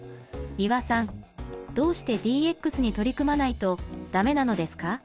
三輪さんどうしてＤＸに取り組まないとだめなのですか？